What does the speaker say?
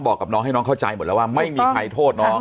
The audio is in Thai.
บอกกับน้องให้น้องเข้าใจหมดแล้วว่าไม่มีใครโทษน้อง